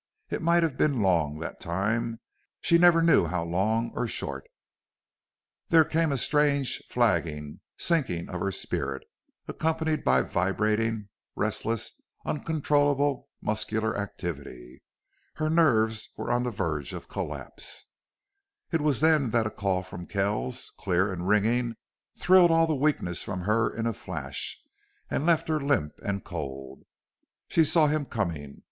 It might have been long, that time; she never knew how long or short. There came a strange flagging, sinking of her spirit, accompanied by vibrating, restless, uncontrollable muscular activity. Her nerves were on the verge of collapse. It was then that a call from Kells, clear and ringing, thrilled all the weakness from her in a flash, and left her limp and cold. She saw him coming.